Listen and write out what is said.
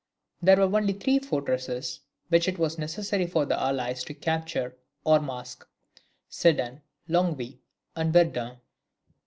There were only three fortresses which it was necessary for the allies to capture or mask Sedan, Longwy, and Verdun.